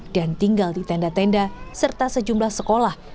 dan tinggal di tenda tenda serta sejumlah sekolah